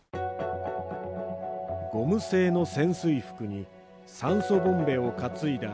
ゴム製の潜水服に酸素ボンベを担いだ